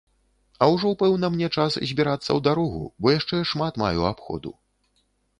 А ўжо пэўна мне час збірацца ў дарогу, бо яшчэ шмат маю абходу.